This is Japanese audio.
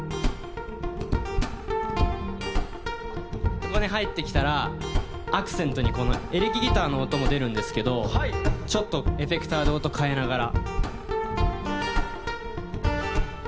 ここに入ってきたらアクセントにエレキギターの音も出るんですけどちょっとエフェクターで音変えながら。